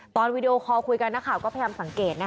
ตอนวีดีโอคอร์คุยกันนะครับก็พยายามสังเกตนะครับ